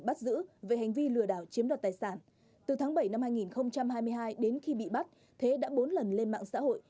bắt giữ về hành vi lừa đảo chiếm đoạt tài sản từ tháng bảy năm hai nghìn hai mươi hai đến khi bị bắt thế đã bốn lần lên mạng xã hội